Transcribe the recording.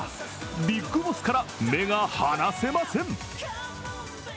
ビッグボスから目が離せません。